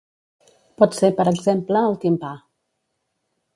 Pot ser, per exemple, el timpà.